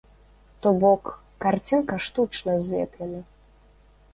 То бок карцінка штучна злеплена.